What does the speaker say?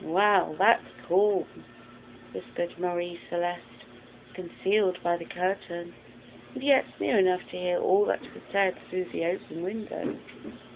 "Well, that's cool," whispered Marie Celeste, concealed by the curtain, and yet near enough to hear all that was said through the open window.